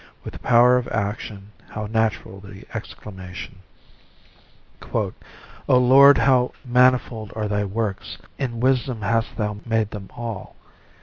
with the power of action, how natural the exclamation, " O Lord, how manifold are thy works ! in wisdom hast thou made them ail."